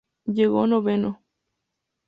Llegó noveno.